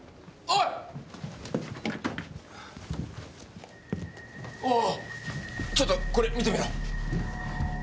おうおうちょっとこれ見てみろ。